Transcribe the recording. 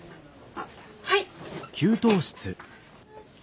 あっはい。